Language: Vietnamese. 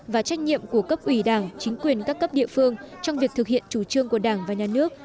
và trách nhiệm của cấp ủy đảng chính quyền các cấp địa phương trong việc thực hiện chủ trương của đảng và nhà nước